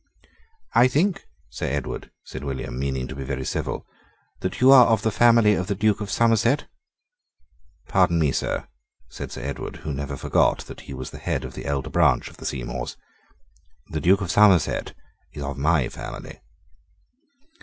"I think, Sir Edward," said William, meaning to be very civil, "that you are of the family of the Duke of Somerset." "Pardon me, sir," said Sir Edward, who never forgot that he was the head of the elder branch of the Seymours, "the Duke of Somerset is of my family."